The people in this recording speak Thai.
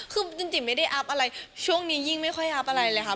คือจริงไม่ได้อัพอะไรช่วงนี้ยิ่งไม่ค่อยอัพอะไรเลยค่ะ